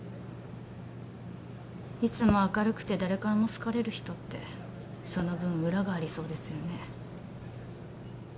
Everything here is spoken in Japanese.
いつも明るくて誰からも好かれる人ってその分裏がありそうですよね。